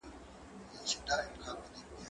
زه سينه سپين کړی دی!.